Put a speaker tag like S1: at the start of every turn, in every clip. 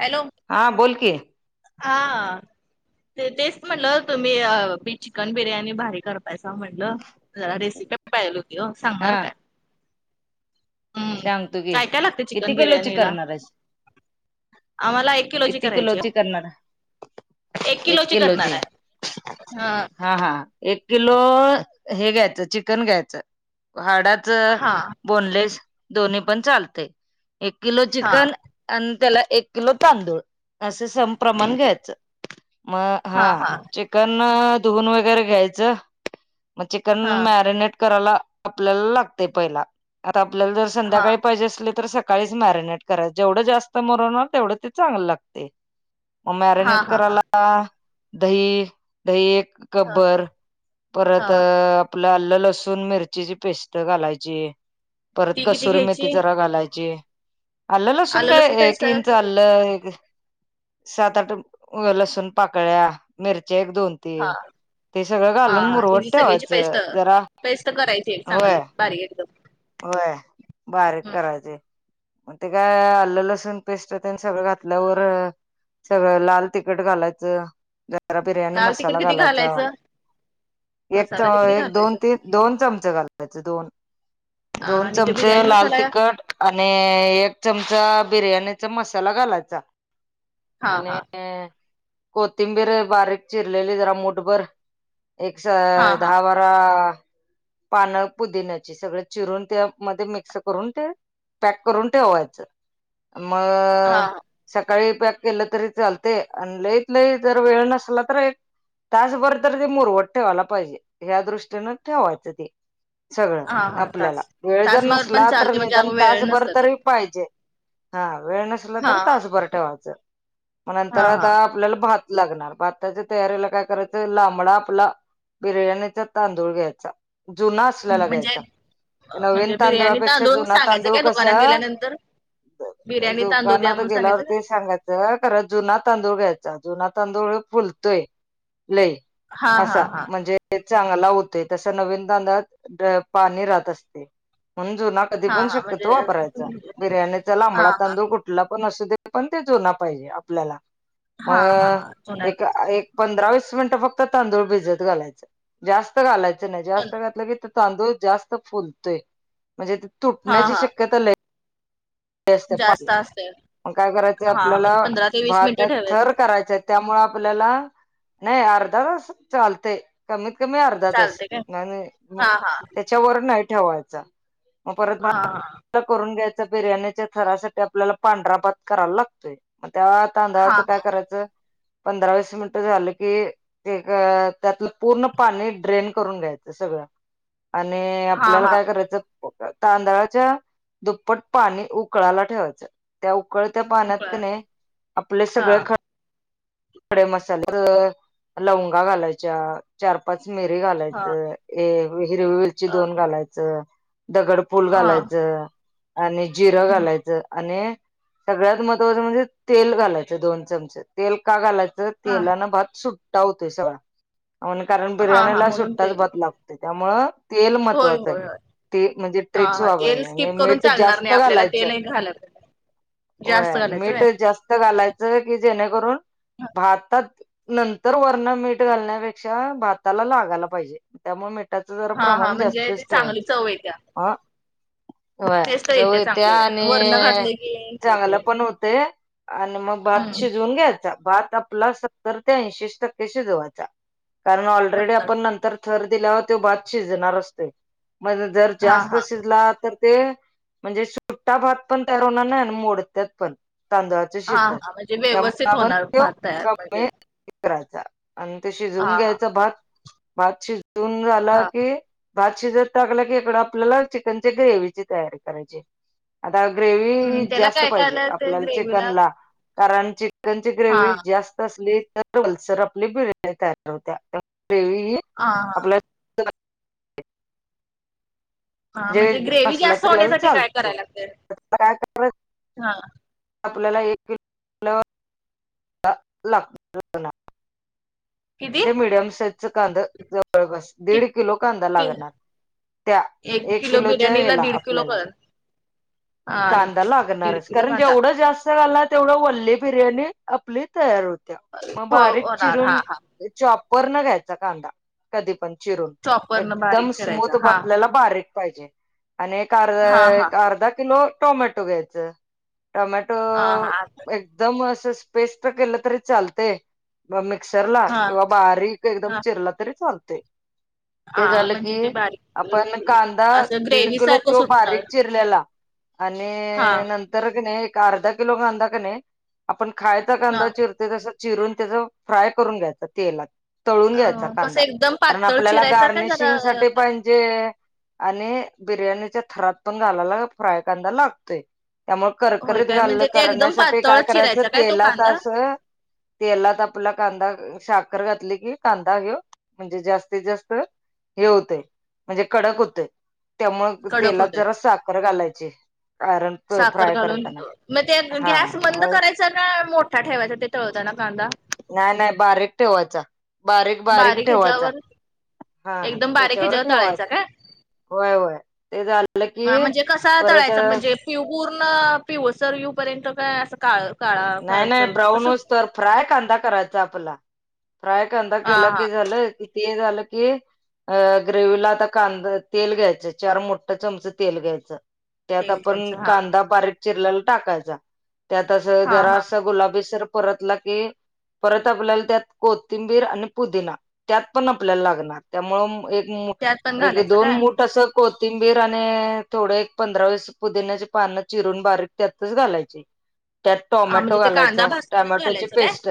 S1: Hello!
S2: हा बोल कि,
S1: हा [inaudible] ते तेच म्हटलं, तुम्ही अ चिकन बिर्याणी भारी करतायसा म्हणलं. जरा रेसिपी पाहिजेल होती ओ,
S2: हा
S1: सांगणार काय? हम्म
S2: सांगतो कि,
S1: काय काय लागते
S2: किती
S1: चिकन
S2: किलोची
S1: बिर्याणीला?
S2: करणार हायसा?
S1: आम्हाला एक किलोची करायची हो. एक किलोची करणार आहे हा.
S2: हा हा, एक किलो हे घ्यायचं चिकन घ्यायचं. हाडाच
S1: हा
S2: बोनलेस दोन्ही पण चालते. एक किलो
S1: हा
S2: चिकन आणि त्याला एक किलो तांदूळ असे सं संपुर्ण
S1: एक
S2: प्रमाण
S1: किलो
S2: घ्यायचं, मग हा चिकण चिकन धुवून वगैरे घ्यायचं मग चिकन
S1: हा
S2: मॅरिनेट करायला, आपल्याला लागत पहिला, आता आपल्याला जर
S1: हा
S2: संध्याकाळी पाहिजे अस तर सकाळीच मॅरिनेट कराय, जेवढं जास्त मुरल तेवढं ते चांगलं लागते. म
S1: हा
S2: मॅरिनेट
S1: हा हा
S2: करायला, दही दही एक-
S1: हा
S2: कपभर, परत
S1: हा
S2: आपलं आल्लं लसूण मिरचीची पेस्ट घालायची. परत
S1: ती किती
S2: कसुरी मेथी
S1: घ्यायची?
S2: जरा घालायची. आल्ल लसून
S1: आलं
S2: काय?
S1: लसूण पेस्ट
S2: एक इंच
S1: हा
S2: हल्लं एक- सात आठ लसूण पाकळ्या, मिरच्या एक दोन- तीन ते सगळं
S1: हा
S2: घालून
S1: हा
S2: मुरवट,
S1: तिची सगळ्याची
S2: ठेवायचं
S1: पेस्ट
S2: जरा होय-
S1: भारी एकदम [inaudible]
S2: होय बारीक
S1: हम्म.
S2: करायचे मग ते काय आल्लं लसूण पेस्ट त्यांनी सगळं घातल्यावर, सगळं लाल तखट घालायचं, जरा बिर्याणी
S1: लाल तिखट
S2: मसाला
S1: किती
S2: घालायचा
S1: घालायचं?
S2: एक
S1: मसाला ते किती
S2: एक दोन
S1: घालायचं?
S2: तीन- दोन चमचे घालवायचे, दोन दोन
S1: आणि जो
S2: चमचे
S1: बिर्याणी
S2: लाल
S1: मसाला आहे
S2: तिखट आणि एक चमचा बिर्याणीचा मसाला घालायचा,
S1: हा हा
S2: आणि अ कोथिंबीर बारीक चिरलेली, जरा मुठ बर एक
S1: हा हा
S2: दहा वारा, पानं पुदिन्याची सगळे चिरून त्या मध्ये मिक्स करून, ते पॅक करून ठेवायचं.
S1: हा
S2: मग सकाळी पॅक केलं तरी चालतंय, आणि लईत लई जर वेळ नसला तर एक- तासभर तर ते मुरवट ठेवायला पाहिजे, या दृष्टीनं ठेवायचं ते सगळं-
S1: हा हा
S2: आपल्याला,
S1: तास
S2: वेळ जर
S1: तासभर पण
S2: नसला तर
S1: चालते म्हणजे अग
S2: निदान
S1: वेळ
S2: तासभर
S1: नसलं तर
S2: तररी पाहिजे. हा वेळ नसला
S1: हा
S2: तर
S1: हा
S2: तासभर ठेवायचं, मग नंतर
S1: हा हा
S2: आता- आपल्याला भात लागणार भाताच्या तयारीला काय करायचं लांबडा आपला, बिर्याणीचा तांदूळ घ्यायचा जुना असल्याला
S1: म्हणजे
S2: घ्यायचा नवीन
S1: म्हणजे बिर्याणी
S2: तांदुळापेक्षा
S1: तांदूळ
S2: जुना
S1: सांगायचं
S2: तांदूळ
S1: काय
S2: कस-
S1: दुकानात गेल्यानंतर बिर्याणी तांदूळ द्या
S2: दुकाांनात तर,
S1: म्हणून
S2: गेल्यावर
S1: सांगायचं काय
S2: ते सांगत- खरा जुना तांदूळ घ्यायचा, जुना तांदूळ हे फुलतोय लय-
S1: हा हा
S2: असा
S1: हा
S2: म्हणजे चांगला होतंय, तसं नवीन तांदळात डा पाणी पाणी राहत असतय, म्हणून जुना कधी
S1: हा
S2: पण
S1: हा म्हणजे
S2: शक्यतो वापरायचा, बिर्याणीचा
S1: हा
S2: लांबडा
S1: हा
S2: तांदूळ कुठ कुठला पण असू दे, पण ते जूना पाहिजे आपल्याला.
S1: हा हा
S2: मग
S1: हा
S2: एक,
S1: चुनाच
S2: एक पंधरा वस मिनिटं फक्त तांदूळ भिजत घालायचं जास्त घालायचं नाही जास्त घातलं की‌ तांदूळ जास्त फुलतोय म्हणजे
S1: हा
S2: तुटण्याची
S1: हा
S2: शक्यता. पाणी
S1: जास्त असते
S2: काय करायचं
S1: हा
S2: आपल्याला
S1: म्हणजे पंधरा ते वीस
S2: भात
S1: मिनिटं
S2: थर
S1: ठेवायचे
S2: करायच. त्यामुळे आपल्याला नाही अर्धा तास चालत. कमीत कमी अर्धा तास
S1: चालते काय
S2: नाही नाही.
S1: हा हा
S2: त्याच्यावर नाही ठेवायचा. मग परत
S1: हा
S2: भात करून घ्यायचा. बिर्याणी त्या थरासाठी आपल्याला पांढरा भात करायला लागतोय. मग त्या
S1: हा
S2: तांदळाच काय करायचं. पंधरा-वीस मिनिट झालं की, एक त्यातलं पूर्ण पाणी ड्रेन करून घ्यायचं. सगळं, आणि
S1: हा
S2: आपल्याला
S1: हा
S2: काय करायचं तांदळाच्या दुप्पट पाणी उ कळाला ठेवायच. त्या उकळत्या पाण्यात कणी आपले
S1: हा
S2: सगळे खडे मसाले, लवंगा घालायच्या, चार पाच मिरी
S1: हा
S2: घालायचं. ए हिरवी मिरची
S1: हा
S2: दोन घालायचं. दगड फुल
S1: हा
S2: घालायचं. आणि जिरं
S1: हं.
S2: घालायचं आणि सगळ्यात महत्त्वाचं म्हणजे तेल घालायचं दोन चमचे तेल का घालायचं.
S1: हां
S2: तेलान भात सुट्टा होतोय सगळा आणि कारण
S1: हां हां
S2: बिर्याणीला
S1: म्हणून
S2: सुट्टाच
S1: तेल
S2: भात लागतो. त्यांच्यामुळ तेल
S1: होय
S2: महत्त्वाचं आहे.
S1: होय होय.
S2: ते म्हणजे
S1: हां
S2: ट्रेक्स
S1: हां तेल
S2: वापरायच आणि
S1: स्किप करून
S2: मीठ
S1: चालणार
S2: जास्त
S1: नाही आपल्याला
S2: घालायचं.
S1: तेल एक घालत जास्त
S2: व्हय.
S1: घालायचं
S2: मीठ
S1: व्हय.
S2: जास्त घालायचं की जेणेकरून,
S1: हां
S2: भातात नंतर वरण मीठ घालण्यापेक्षा भाताला लागायला पाहिजे. त्यामुळे मीठाचं जरा
S1: हां हां.
S2: प्रमाण
S1: म्हणजे ती
S2: जास्तच
S1: चांगली
S2: ठेवायचं
S1: चव येत्या
S2: हा. व्हय
S1: टेस्ट
S2: चव येत्या
S1: चांगली वरनं
S2: आणि
S1: घातले की हे
S2: चांगलं
S1: होतंय.
S2: पण होते. आणि मग भात
S1: हम्म
S2: शिज वून घ्यायचा भात आपला सत्तर ते ऐंशीच टक्के शीजवायचा. कारण ऑलरेडी
S1: करतात
S2: आपण नंतर थर दिल्यावर तो भात शिजणार असतोय. मग जर
S1: हां
S2: जास्त
S1: हां
S2: शिजला तर, ते म्हणजे सुट्टा भात पण तयार होणार नाही आणि मोडत्यात पण तांदळात
S1: हा हा म्हणजे व्यवस्थित होणार भात तयार
S2: कमी
S1: म्हणजे,
S2: करायचा आणि ते
S1: हां
S2: शिजवून
S1: हां
S2: घ्यायचा भात भात शिजवून झाला
S1: हां
S2: की, भात शिजत टाकला की इकडं आपल्याला चिकनच्या ग्रेव्ही ची तयारी करायची. आता ग्रेव्ही
S1: हम्म त्याला
S2: जास्त
S1: काय काय
S2: पाहिजे.
S1: लागतंय
S2: आपल्याला
S1: ग्रेव्हीला?
S2: चिकनला कारण चि कनची
S1: हां
S2: ग्रेव्ही जास्त असली तर ओलसर आपली बिरणी तयार होत्या. ग्रेव्ही ही
S1: हा हा,
S2: आपल्या
S1: हा
S2: जे
S1: म्हणजे ग्रेवी
S2: असला
S1: जास्त
S2: तरी आपल्याला
S1: होण्यासाठी काय
S2: चालते.
S1: कराय लागतय
S2: काय करायच
S1: हा.
S2: आपल्याला एक की लो लाग
S1: किती?
S2: मीडियम साईज च कांदा जवळपास दीड किलो कांदा
S1: किती
S2: लागणार. त्या एक
S1: किलो
S2: किलोच्या
S1: बिर्याणीला
S2: हेला
S1: दीड किलो
S2: आपल्याला,
S1: कर हा
S2: कांदा
S1: दीड
S2: लागणारच
S1: किलो
S2: कारण
S1: कांदा
S2: जेवढं जास्त झााला. तेवढ वल्ली बिर्याणी आपली तयार होत्या. मग
S1: हो
S2: बारीक
S1: होणार हा
S2: चिरून
S1: हा
S2: चॉपर न घ्यायचा कांदा कधी पण चिरून
S1: चॉपर न
S2: एकदम
S1: बारीक चिरायचा
S2: स्मूथ
S1: हा
S2: आपल्याला बारीक पाहिजे. आणि एक
S1: हा हा
S2: अर्ध अर्धा किलो टोमॅटो घ्यायचं टोमॅटो
S1: हा हा
S2: एक एकदम अस पेस्ट केलं तरी चालते मिक्सरला
S1: हा
S2: किंवा बारीक एकदम
S1: हा
S2: चिरला तरी चालतय. ते
S1: हा
S2: झालं की
S1: म्हणजे ते बारीक
S2: आपण कांदा
S1: असं
S2: दीड
S1: ग्रेवी
S2: किलो
S1: सारखं
S2: तो
S1: सुटणार
S2: बारीक चि रेलेला
S1: हा
S2: आणि तर कणी एक अर्धा किलो कांदा कणी आपण खायचा
S1: हा
S2: कांदा चिर तोय तस चिरून त्याच फ्राय करून घ्यायचं तेलात तळून
S1: अ
S2: घ्यायचा
S1: कसं
S2: कांदा
S1: एकदम
S2: कारण
S1: पातळ
S2: आपल्याला
S1: चिरायचा काय जरा
S2: गार्निशिंग साठी पाहिजे. आणि बिर्याणीच्या थरात पण घालायला फ्राय कांदा लागतोय. त्यामुळे,
S1: होय
S2: करकरीत
S1: काय
S2: घाल
S1: म्हणजे ते एकदम
S2: करण्यासाठी
S1: पातळ
S2: काय करायचं
S1: चिरायचा काय तो
S2: तेलात
S1: कांदा
S2: असं, तेलात आपला कांदा साखर घातली कि कांदा ह्यो म्हणजे जास्तीत जास्त हे होतेय म्हणजे कडक होते त्यामु
S1: कडक
S2: तेलात
S1: होतोय
S2: जरा साखर घालायची कारण
S1: साखर
S2: फ्राय
S1: घालून
S2: करताना
S1: मग ते
S2: हा
S1: गॅस बंद
S2: मग
S1: करायच ना मोठा ठेवायचा ते तळत ना कांदा
S2: नाही नाही बारीक ठेवायचा बारीक बारीक ठेवायचा हा
S1: एकदम बारीक
S2: त्याच्यावर
S1: ह्याच्यावर
S2: ठेवायचा
S1: तळायचा काय
S2: होय होय ते झालं की
S1: हा म्हणजे कसा
S2: परत
S1: तळायचा म्हणजे पिव पूर्ण पिवसरयू पर्यंत काय असं काळ काळा
S2: नाही नाही
S1: काळसर
S2: ब्राऊन
S1: कसं
S2: होस तर फ्राय कांदा करायचा आपला फ्राय कांदा
S1: हा
S2: केला
S1: हा
S2: क झालं तेजल क अ ग्रेवीला आता कांदा तेल घ्यायचं चार मोठं चमच तेल घ्यायचं त्यात
S1: तेल
S2: आपण
S1: घ्यायचं हा
S2: कांदा बारीक चिरल्याला टाकायचा त्यात असं
S1: हा
S2: जरा
S1: हा
S2: असं गुलाबी सर परतला की परत आपल्याला त्यात कोथिंबीर आणि पुदिना त्यात पण आपल्याला लागणार त्यामु एक
S1: त्यात पण
S2: एक
S1: घालायचं
S2: दोन
S1: काय
S2: मूठ असं कोथिंबीर आणि थोड एक पंधरा वीस पुदिन्याचे पान चिरून बारीक त्यातच घालायचे
S1: हा म्हणजे
S2: टोमॅटो
S1: ते कांदा
S2: घालायचा
S1: भाजतानाच
S2: टॉमॅटोची
S1: घालायचं काय
S2: पेस्ट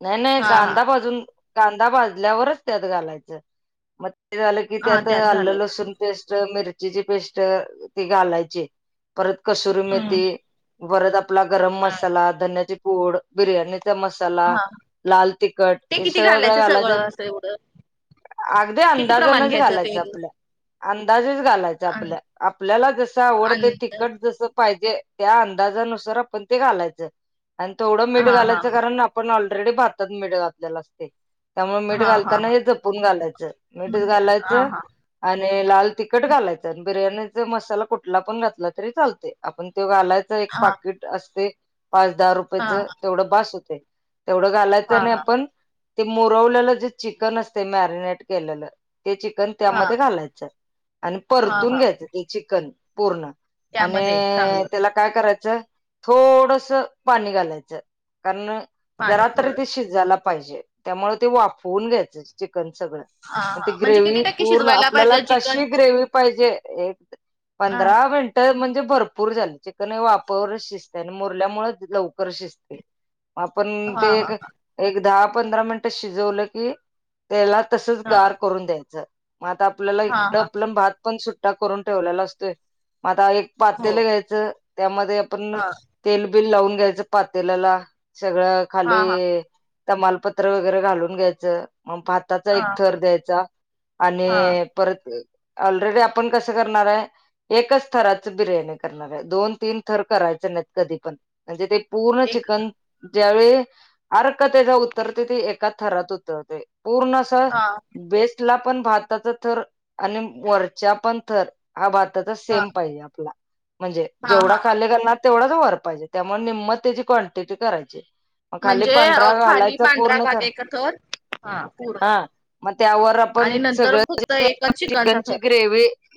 S2: नाही नाही
S1: हा हा
S2: कांदा भाजून कांदा भाजल्यावरच त्यात घालायचं मग ते झालं की
S1: हा
S2: त्यात आल्लं
S1: घालायचं
S2: लसून पेस्ट मिरचीची पेस्ट ती घालायची परत कसुरी
S1: हम्म
S2: मेथी पररत आपला गरम
S1: हा
S2: मसाला धन्याची पोड बिर्याणीचा मस् ला
S1: हा
S2: लाल तखट
S1: ते
S2: हे
S1: किती
S2: सगळं
S1: घालायचं
S2: घालायच
S1: सगळं असं एवढं
S2: अगदी
S1: किती प्रमाण
S2: अंदाजानच
S1: घ्यायचं
S2: घालायचं
S1: तेल
S2: आपल्या अंदाजच घालायचा
S1: अन
S2: आपल्या आपल्याला जस आवडत
S1: अंदाज
S2: तिकट जस जे त्या अंदाजानुसार आपण ते घालायचं आणि थोडं मीठ
S1: हा हा
S2: घालायचं कारण पण ऑलरेडी भारतात मेड घातलेला असते त्यामुळे मीठ
S1: हा हा
S2: घालताना
S1: हा
S2: हे जपून घालायचं मीठ
S1: मग हा
S2: घालायचं
S1: हा
S2: आणि लाल तिखट घालायचं आणि बिर्याणीचा मसाला कुठला पण घातला तरी चालते आपण तो घालायच एक
S1: हा
S2: पाकिट असते पाच दहा
S1: हा
S2: रुपयेच तेवढ बस होते तेवढं घालायचं
S1: हा
S2: आणि
S1: हा
S2: आपण ते मोरवलेलं जे चिकन असते मॅरिनेट केलेलं ते चिकन
S1: हा
S2: त्यामध्ये घालायचं आणि
S1: हा
S2: परतून
S1: हा
S2: घ्यायचं ते चिकन पूर्ण आणि
S1: त्यामध्ये चांगलं
S2: त्याला काय करायचं थोडस पाणी घालायचं कारण
S1: पाणी
S2: जरा
S1: थोडं
S2: तरी ते शिजायला पाहिजे त्यामु ते वाफवून घ्यायचं चिकन सगळं
S1: हा
S2: मग त
S1: हा म्हणजे किती
S2: ग्रेवी
S1: टक्के
S2: पूर्ण
S1: शिजवायला
S2: आपल्याला
S1: पाहिजे चिकन?
S2: कशी ग्रेवी पाहिजे एक
S1: हा
S2: पंधरा मिनटं तर म्हणजे भरपूर झालं चिकन हे वापरच शिजतय आणि मुरल्यामुळेच लवकर शिजते आपण
S1: हा
S2: ते
S1: हा
S2: एक एक दहा पंधरा मिनिटं शिजवलं की त्याला तसच
S1: हा
S2: गार करून द्यायचं मग आता आपल्याला
S1: हा
S2: इतडं
S1: हा
S2: आपलं भात आपण सुट्टा करून ठेवलेला असतोय मग आता एक
S1: हो
S2: पातेल घ्यायचं त्यामध्ये आपण
S1: हा
S2: तेल बिल लावून घ्यायचं पातेलाला सगळं
S1: हा
S2: खाली
S1: हा
S2: तमालपत्र वगैरे घालून घ्यायचं मग आताचा
S1: हा
S2: एक थर द्यायचा
S1: हा
S2: आणि परत ऑलरेडी आपण कसं करणार आहे एकाच थराच बिर्याणी करणार आहे दोन तीन थर करायचं नाही कधी पण म्हणजे ते पूर्ण
S1: एक
S2: चिकन ज्यावेळी अर्क त्याच्या उत्तरते तेी एका थरात उतरते पूर्णस
S1: हा
S2: बेस्टला पण भारताच थर आणि वरच्या पण थर हा भात तर
S1: हा
S2: सेम पाहिजे आपला म्हणजे
S1: हा हा
S2: जेवढा
S1: हा
S2: खाल्ले करणार तेवढाच रे त्यामुळे निमत त्याची क्वांटिटी करायची मग खाली
S1: म्हणजे अ,
S2: पंढरा
S1: खाली
S2: घालायच
S1: पांढरा
S2: पूर्ण
S1: भात
S2: तर
S1: एक थर हा पूर्ण
S2: हा मग त्यावर
S1: आणि
S2: आपण
S1: नंतर
S2: सगळ
S1: फक्त एकच चिकनचा
S2: चिकनची
S1: थर
S2: ग्रेव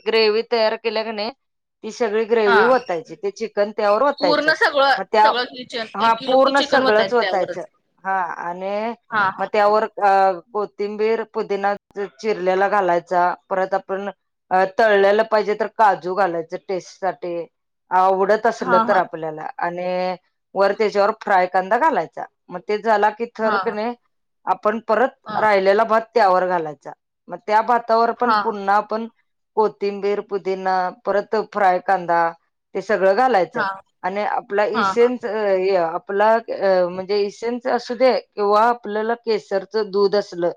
S2: ग्रेवी तयार केल्या क नाही ती सगळी
S1: हा
S2: ग्रेवी ओतायची ते चिकन त्यावर
S1: पूर्ण सगळं
S2: मग त्या
S1: सगळं किचन
S2: हा
S1: एक किलो की
S2: पूर्ण
S1: चिकन
S2: सगळंच
S1: वतायचं
S2: ओतायच.
S1: त्यावरच
S2: हा आणि
S1: हा
S2: मग त्यावर अ कोथिंबीर पुदीना चिरल्याला घालायचा परत आपण अ तळलेलं पाहिजे तर काजू घालायचं टेस्ट साठी आवडत
S1: हा
S2: तर
S1: हा
S2: आपल्याला आणि वर त्याच्यावर फ्राय क घालायचा मग ते झाला क
S1: हा
S2: र्कने आपण परत
S1: हा
S2: राहिलेला भात त्यावर घालायचा. मग त्या भातावर पण
S1: हा
S2: पुन्हा आपण कोथिंबीर पुदीना परत फ्राय कांदा ते सगळं घालायचं.
S1: हा
S2: आणि आपला
S1: हा हा
S2: इसेेन.. आपला म्हणजे इसेनच असू दे किंवा आपल्याला केसरच दूध असल.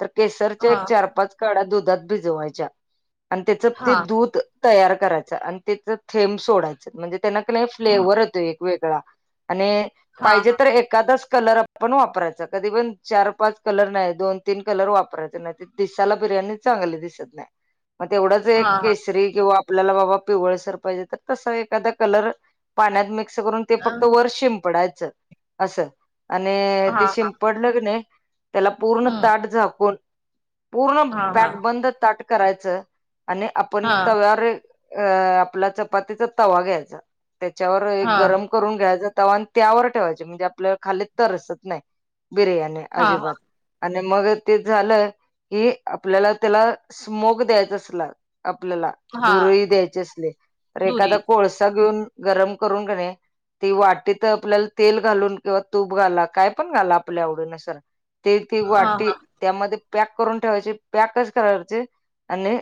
S2: तर केसरच्या एक
S1: हा
S2: चार पाच काड्या दुधात भिजवायच्या आणि त्याच ते
S1: हा
S2: दूध तयार करायच आणि त्याच थेंब सोडायचं म्हणजे त्यांना क नाही
S1: हा
S2: फ्लेवर येतोय एक वेगळा आणि
S1: हा हा
S2: पाहिजे तर एखा कलर वापरायचा कधी पण चार पाच कलर नाही दोन तीन कलर वापरायचा नाही. दिसाला बिर्याणी चांगली दिसत नाही. मग तेवढंच एक
S1: हा हा
S2: केसरी किंवा आपल्याला बाबा पिवळसर पाहिजे तर तसा एखादा कलर पाण्यात मिक्स करून ते फक्त वर शिंपडायचं असं आणि ते
S1: हा हा
S2: शिंपड त्याला पूर्ण त झाकून
S1: हा हा
S2: पूर्णक बंद करायचं आणि आपण
S1: हा
S2: तव्यावर अ आपला चपातीचा तवा घ्यायचा. त्याच्यावर एक
S1: हां
S2: गरम करुन घ्यायात त्यावर ठेवाय म्हणजे आपल्याला खाली तरसत नाही बिर्याणी.
S1: हां हां
S2: अजिबात आणि मग ते झालंय हे आपल्याला त्याला स्मोक द्यायचा असला आपल्याला
S1: हां
S2: धुरही द्यायचे असले तर
S1: दुरी
S2: एखादा कोळसा घेऊन गरम करून घणे ती वाट तर आपल्याला तेल घालून किंवा तूप घाला काय पण घाला आपल्या आवडी नुसार.. ते ती
S1: हां
S2: वाटी
S1: हां
S2: त्यामध्ये पॅक करून ठेवायची पॅकच करायचे आणि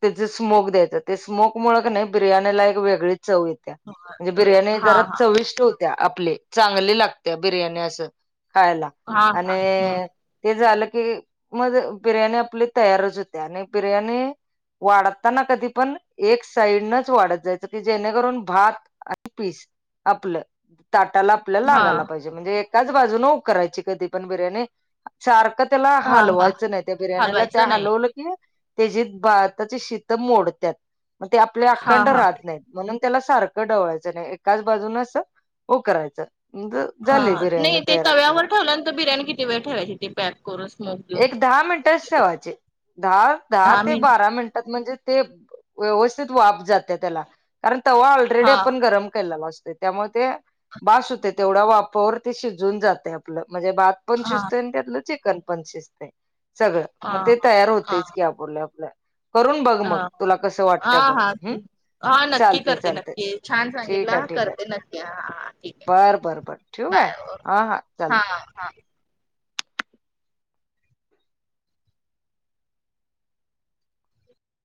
S2: त्याच स्मोक द्यायचं ते स्मोक मुळ नाही बिर्याणीला एक वेगळी चव येते.
S1: हां
S2: म्हणजे
S1: अ,
S2: बिर्याणी
S1: हां
S2: जरा
S1: हां
S2: चविष्ट होत्या आपली चांगली लागते बिर्याणी असं खायला.
S1: हां
S2: आणि
S1: हां.
S2: ते झालं की मग बिर्याणी आपली तयारच होते आणि बिर्याणी वाढताना कधी पण एक साईडनच वाढत जायचं की जेणेकरून भात पीस आपलं ताटाला आपल्या
S1: हं
S2: लागायला
S1: हां
S2: पाहिजे. म्हणजे एकाच बाजू न उकरायची कधी पण बिर्याणी.. सारखं त्याला
S1: हां हां
S2: हलवायचं नाही त्या बिर्याणीला त्या
S1: हलवायचं नाही
S2: हलवलं की.. त्यात भाताचे शीत मोडतात मग ते आपले
S1: हां
S2: अखंड
S1: हां
S2: राहत नाहीत म्हणून त्याला सारख कडवायचं आणि एकाच बाजूनच हो करायचं म्हणज..
S1: हा नाही ते तव्यावर ठेवलंनंत बिर्याणी किती वेळ ठेवायची ती पॅक करून स्मोक देऊन
S2: एक दहा मिनिट ठेवायचे दहा दहा ते बारा मिनिटात म्हणजे- ते व्यवस्थित वाप जाते त्याला कारण तवा ऑलरेडी
S1: हां
S2: आपण गरम केलेला असतो. त्यामुळे ते बास होते तेवढ्या वापवर ते शिजून जाते आपलं म्हणजे भात पण
S1: हां
S2: शिजत त्यातलं चिकन पण शिजतय सगळं मग
S1: हां
S2: ते तयार
S1: हां
S2: होतच की आप ब आपल्या करून बघ मग
S1: हां
S2: तुला कस वाटतं
S1: हां
S2: बघ
S1: हां
S2: हम्
S1: हां नक्की
S2: चालते
S1: करते
S2: चालते.
S1: नक्की छान
S2: ठीक आहे
S1: सांगितला
S2: ठीक आहे
S1: करते नक्की हां हां ठीक आहे
S2: बर बर बर ठेव आहे
S1: बाय
S2: हा हा
S1: हां
S2: चालत.
S1: हां